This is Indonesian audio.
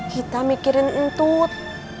kita mikirin untuk